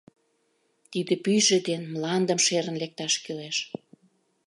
Тиде пӱйжӧ ден мландым шерын лекташ кӱлеш.